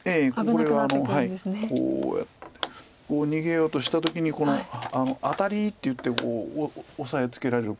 これはこうやって逃げようとした時にアタリっていってオサえつけられる。